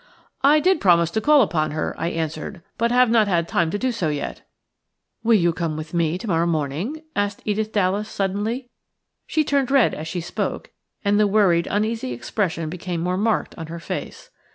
"I did promise to call upon her," I answered, "but have not had time to do so yet." "Will you come with me to morrow morning?" asked Edith Dallas, suddenly. She turned red as she spoke, and the worried, uneasy expression became more marked on her face.